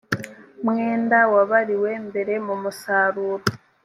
mwenda wabariwe mbere mu musaruro